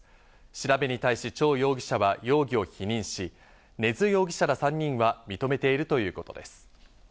調べに対しチョウ容疑者は容疑を否認し、根津容疑者ら３人は認めているということです。